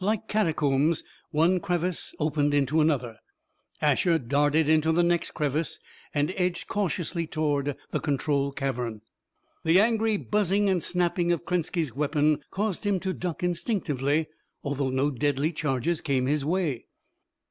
Like catacombs, one crevice opened into another. Asher darted into the next crevice and edged cautiously toward the control cavern. The angry buzzing and snapping of Krenski's weapon caused him to duck instinctively, although no deadly charges came his way.